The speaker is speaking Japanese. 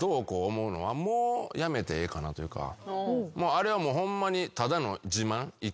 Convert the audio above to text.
あれはもうホンマにただの。